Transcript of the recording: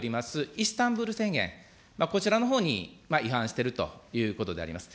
イスタンブール宣言、こちらのほうに違反しているということであります。